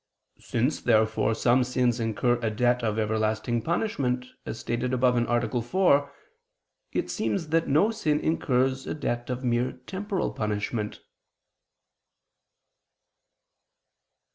Since therefore some sins incur a debt of everlasting punishment, as stated above (A. 4), it seems that no sin incurs a debt of mere temporal punishment.